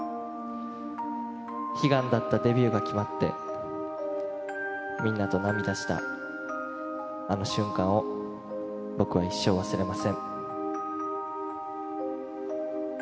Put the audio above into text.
悲願だったデビューが決まって、みんなと涙したあの瞬間を僕は一生忘れません。